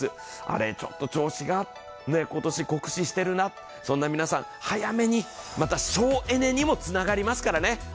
あれ、ちょっと調子が、今年酷使してるな、そんな皆さん、早めに、また省エネにもつながりますからね。